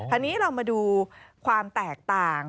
อันนี้เรามาดูความแตกต่าง